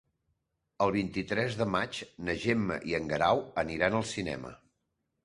El vint-i-tres de maig na Gemma i en Guerau aniran al cinema.